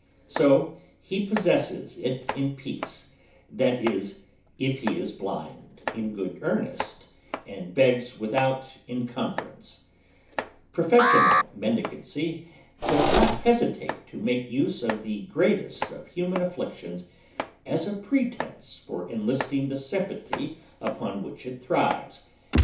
So he possesses it in peace, that is, if he is blind in good earnest, and begs without "en cnmbranee," Professional mendicancy does not hesitate to make use of the greatest of human afflictions as a pre tence for enlisting the sympathy upon which it thrives.